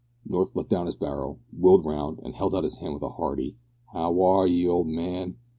North let down his barrow, wheeled round, and held out his hand with a hearty, "how are 'ee, old man?